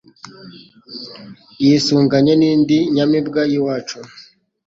yisunganye n'indi nyamibwa y'iwacu